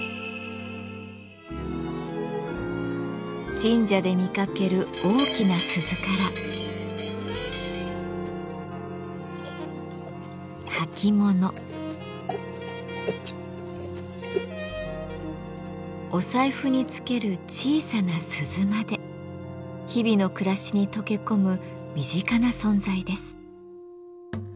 神社で見かける大きな鈴から履物お財布につける小さな鈴まで日々の暮らしに溶け込む身近な存在です。